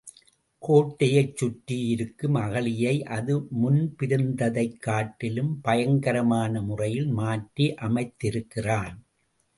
கோட்டையைச் சுற்றியிருக்கும் அகழியை அது முன்பிருந்ததைக் காட்டிலும் பயங்கரமான முறையில் மாற்றி அமைத்திருக்கிறான்.